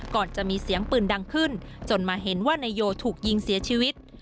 ก่อนจะมีเสียงปืนดังขึ้นจนมาเห็นว่านายโยถูกยิงเสียชีวิต